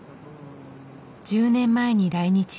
１０年前に来日。